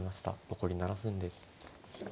残り７分です。